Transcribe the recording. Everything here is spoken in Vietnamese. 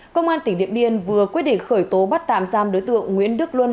công an tỉnh điện biên vừa quyết định khởi tố bắt tạm giam đối tượng nguyễn đức luân